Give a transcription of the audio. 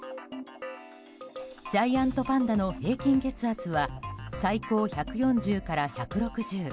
ジャイアントパンダの平均血圧は最高１４０から１６０。